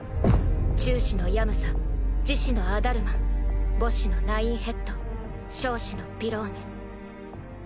中指のヤムザ示指のアダルマン母指のナインヘッド小指のピローネ。